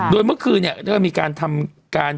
โดยเมื่อคืนเนี่ยได้มีการทำการ